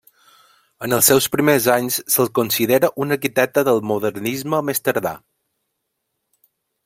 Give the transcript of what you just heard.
En els seus primers anys se'l considera un arquitecte del modernisme més tardà.